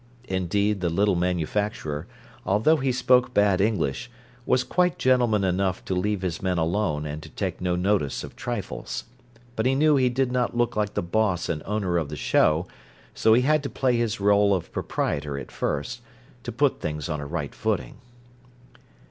Indeed, the little manufacturer, although he spoke bad English, was quite gentleman enough to leave his men alone and to take no notice of trifles. But he knew he did not look like the boss and owner of the show, so he had to play his role of proprietor at first, to put things on a right footing.